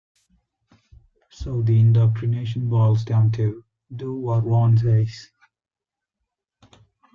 So the indoctrination boils down to: Do what Ron says!